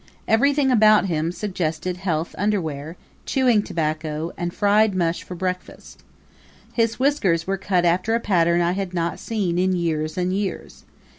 Everything about him suggested health underwear, chewing tobacco and fried mush for breakfast. His whiskers were cut after a pattern I had not seen in years and years.